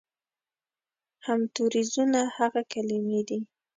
همتوریزونه هغه کلمې دي